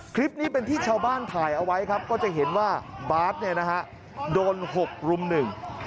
คลิปนี้เป็นที่ชาวบ้านถ่ายเอาไว้ครับก็จะเห็นว่าบาทโดนหกลุ่มหนึ่ง